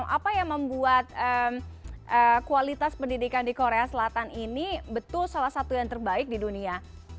apa yang membuat kualitas pendidikan di korea selatan ini betul salah satu yang terbaik di dunia